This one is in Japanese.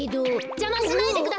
じゃましないでください！